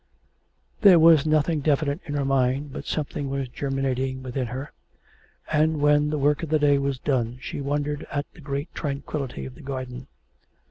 There was nothing definite in her mind, but something was germinating within her, and when the work of the day was done, she wondered at the great tranquillity of the garden.